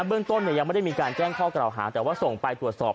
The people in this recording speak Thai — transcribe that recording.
เบื้องต้นเนี่ยยังไม่ได้มีการแจ้งข้อกล่าวหาแต่ว่าส่งไปตรวจสอบ